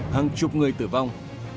hàng chục người tử vong